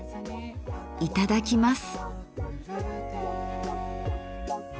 いただきます。